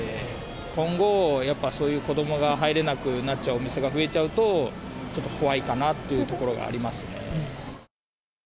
今後、やっぱそういう、子どもが入れなくなっちゃうお店が増えちゃうと、ちょっと怖いかなというところがありますね。